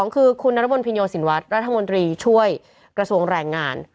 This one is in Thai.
คือคุณนรบนพินโยสินวัฒน์รัฐมนตรีช่วยกระทรวงแรงงาน